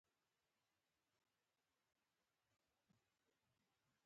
موږ ده قدرت میلمانه یو